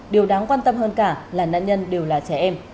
điều đáng quan tâm hơn cả là nạn nhân đều là trẻ em